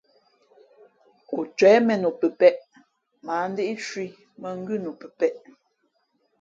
O cwěh mēn o pəpēʼ, mα ǎ ndíʼ cwǐ, mᾱ ngʉ́ nu pəpēʼ.